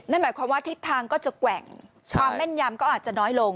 นั่นหมายความว่าทิศทางก็จะแกว่งความแม่นยำก็อาจจะน้อยลง